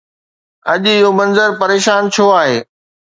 اڄ اهو منظر پريشان ڇو آهي؟